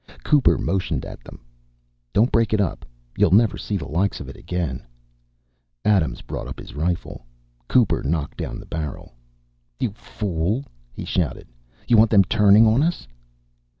Cooper motioned at them. "Don't break it up. You'll never see the like of it again." Adams brought his rifle up. Cooper knocked the barrel down. "You fool!" he shouted. "You want them turning on us?"